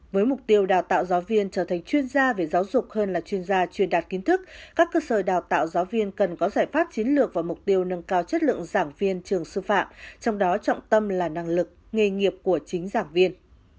với mục tiêu đào tạo giáo viên trở thành chuyên gia về giáo dục hơn là chuyên gia truyền đạt kiến thức các cơ sở đào tạo giáo viên cần có giải pháp chiến lược và mục tiêu nâng cao chất lượng giảng viên trường sư phạm trong đó trọng tâm là năng lực nghề nghiệp của chính giảng viên